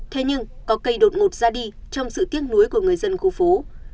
thế nhưng có cây đột ngột ra đi trong sự tiếc núi của người dân khu phố